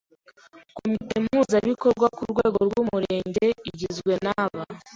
Komite Mpuzabikorwa ku rwego rw’Umurenge igizwe n’aba